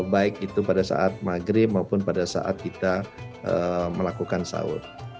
baik itu pada saat maghrib maupun pada saat kita melakukan sahur